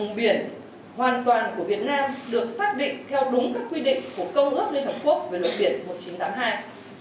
vùng biển hoàn toàn của việt nam được xác định theo đúng các quy định của công ước liên hợp quốc về luật biển một nghìn chín trăm tám mươi hai